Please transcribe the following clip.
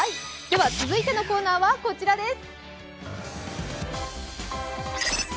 続いてのコーナーはこちらです。